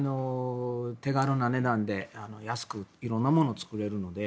手軽な値段で安く色んなものを作れるので。